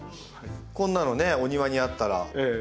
こんなのねお庭にあったら。